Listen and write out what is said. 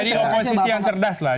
jadi oposisi yang cerdas lah